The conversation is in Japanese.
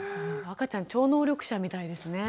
赤ちゃん超能力者みたいですね。